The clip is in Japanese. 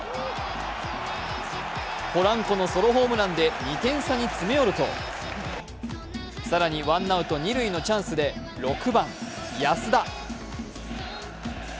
ポランコのソロホームランで２点差に詰め寄ると更にワンアウト二塁のチャンスで６番・安田。